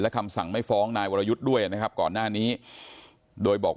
คำสั่งไม่ฟ้องนายวรยุทธ์ด้วยนะครับก่อนหน้านี้โดยบอก